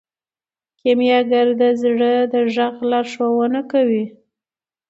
کیمیاګر د زړه د غږ لارښوونه کوي.